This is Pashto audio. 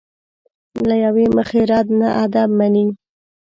له یوې مخې رد نه ادب مني.